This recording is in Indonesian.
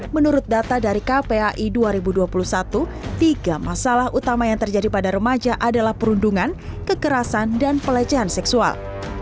menurut data dari kpai dua ribu dua puluh satu tiga masalah utama yang terjadi pada remaja adalah perundungan kekerasan dan pelecehan seksual